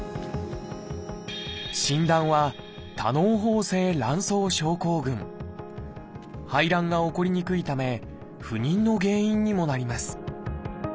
診断は排卵が起こりにくいため不妊の原因にもなります